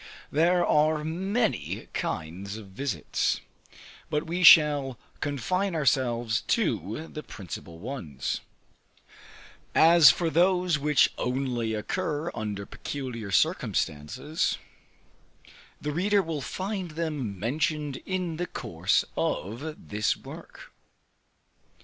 There are many kinds of visits, but we shall confine ourselves to the principal ones; as for those which only occur under peculiar circumstances, the reader will find them mentioned in the course of this work.